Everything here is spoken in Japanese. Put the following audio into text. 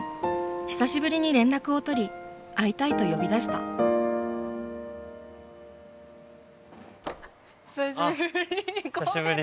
久しぶりに連絡を取り会いたいと呼び出した久しぶり。